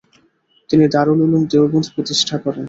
তিনি দারুল উলুম দেওবন্দ প্রতিষ্ঠা করেন।